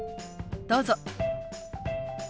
どうぞ。